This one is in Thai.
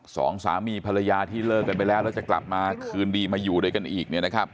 สองสามีภรรยาที่เลิกกันไปแล้วแล้วจะกลับมาคืนดีมาอยู่ด้วยกันอีก